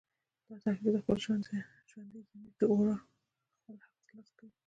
دا تحریک د خپل ژوندي ضمیر د اوره خپل حق تر لاسه کوي